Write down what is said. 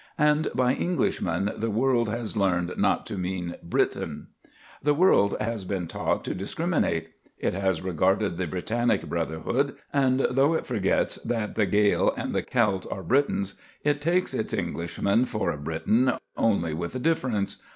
And by "Englishman" the world has learned not to mean "Briton." The world has been taught to discriminate. It has regarded the Britannic brotherhood; and though it forgets that the Gael and the Celt are Britons, it takes its Englishman for a Briton, only with a difference.